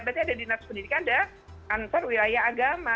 berarti ada dinas pendidikan ada ansar wilayah agama